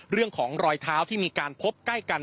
เรื่องของรอยเท้าที่มีการพบใกล้กัน